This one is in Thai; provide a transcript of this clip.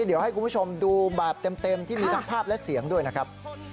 เดี๋ยวให้คุณผู้ชมดูแบบเต็มที่มีทั้งภาพและเสียงด้วยนะครับ